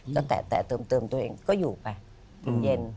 ก็แตะเติมตัวเองก็อยู่ไปเย็น